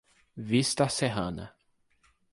Vista Serrana